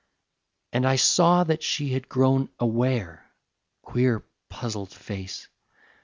And I saw that she had grown aware, Queer puzzled face!